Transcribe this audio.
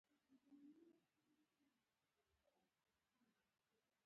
بارونیانو شورا جوړه کړې وه.